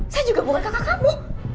saya juga bukan kakak kami